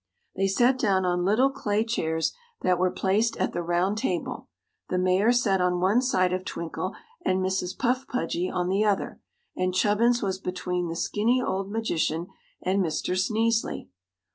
They sat down on little clay chairs that were placed at the round table. The Mayor sat on one side of Twinkle and Mrs. Puff Pudgy on the other, and Chubbins was between the skinny old magician and Mr. Sneezeley.